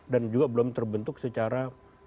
dan juga belum terbentuk secara